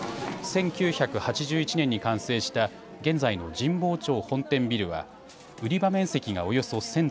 １９８１年に完成した現在の新保町本店ビルは売り場面積がおよそ１０００坪。